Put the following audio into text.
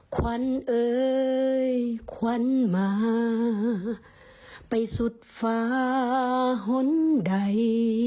ควัญเอ่ยควัญมาไปสุทธิฝ่าหนใด